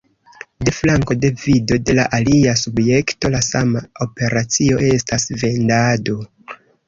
De flanko de vido de la alia subjekto la sama operacio estas vendado.